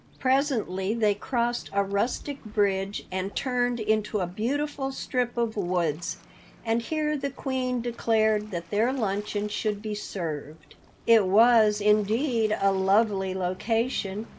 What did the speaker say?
Presently they crossed a rustic bridge and turned into a beautiful strip of woods, and here the Queen declared that their luncheon should be served. It was, indeed, a lovely location.